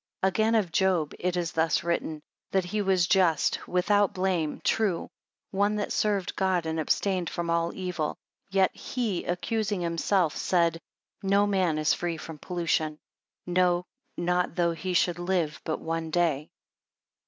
20 Again of Job, it is thus written, That he was just, and without blame, true; one that served God, and abstained from all evil. Yet he accusing himself, said, No man is free from pollution, no, not though he should live but one day.